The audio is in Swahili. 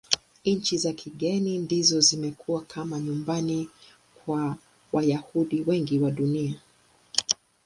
Nchi za kigeni ndizo zimekuwa kama nyumbani kwa Wayahudi wengi wa Dunia.